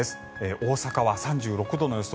大阪は３６度の予想。